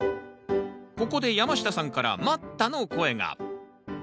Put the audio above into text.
ここで山下さんから待ったの声が。